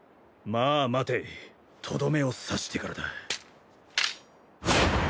まあ待てとどめを刺してからだ。